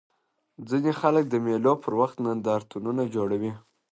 ځيني خلک د مېلو پر وخت نندارتونونه جوړوي.